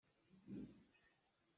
Tlang in an run ṭum lioah an kah hna.